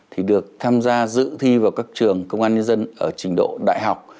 thì được tham gia dự thi vào các trường công an nhân dân ở trình độ đại học